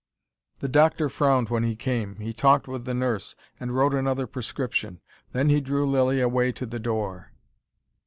The doctor frowned when he came. He talked with the nurse, and wrote another prescription. Then he drew Lilly away to the door.